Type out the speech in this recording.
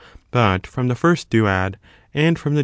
But from the first duad, and from the